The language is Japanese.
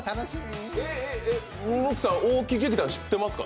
ムックさん、大木劇団知ってますか？